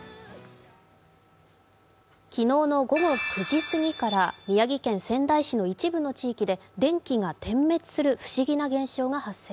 昨日の午後９時すぎから、宮城県仙台市の一部の地域で、電気が点滅する不思議な現象が発生。